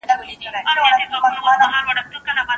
طلاق ولي یو خالص ضرر بلل کیږي؟